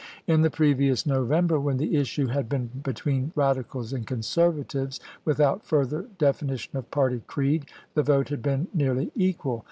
In the previous November, when the issue had been between Radicals and Conservatives without fm^ ther definition of party creed, the vote had been nearly equal.